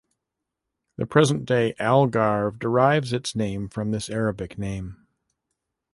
The present day Algarve derives its name from this Arabic name.